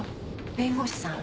弁護士さん。